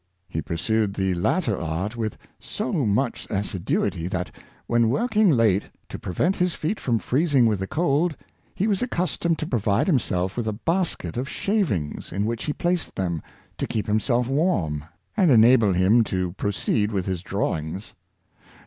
He pursued the latter art with so much assiduity, that, when working late, to prevent his feet from freezing with the cold, he was accustomed to provide himself with a basket of shavings, in which he placed them, to keep himself warm and enable him to proceed with his drawings.